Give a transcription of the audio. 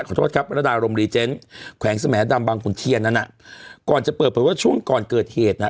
ขอโทษครับระดารมรีเจนต์แขวงสมดำบางขุนเทียนนั้นน่ะก่อนจะเปิดเผยว่าช่วงก่อนเกิดเหตุน่ะ